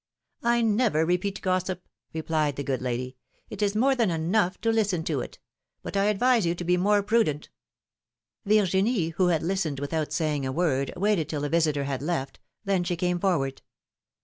I never repeat gossip,^^ replied the good lady, it is more than enough to listen to it ; but I advise you to be more prudent." no philomI:ne's marriages. Yirginie, who had listened without saying a word, waited till the visitor had left; then she came forward.